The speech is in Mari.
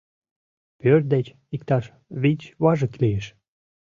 Пӧрт деч иктаж вич важык лиеш.